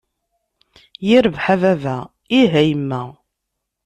Yirbeḥ a baba, ih a yemma!